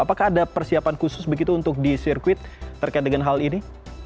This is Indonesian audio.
apakah ada persiapan khusus begitu untuk di sirkuit terkait dengan hal ini